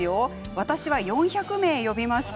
私は４００名呼びました。